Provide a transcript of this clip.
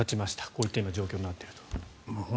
こういった状況になっていると。